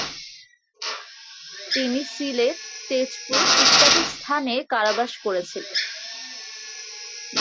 তিনি ছিলেট, তেজপুর ইত্যাদি স্থানে কারাবাস করেছিলেন।